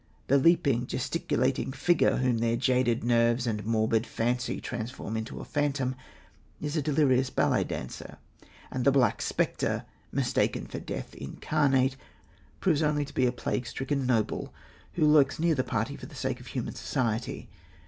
The leaping, gesticulating figure, whom their jaded nerves and morbid fancy transform into a phantom, is a delirious ballet dancer; and the Black Spectre, mistaken for Death Incarnate, proves only to be a plague stricken noble, who lurks near the party for the sake of human society.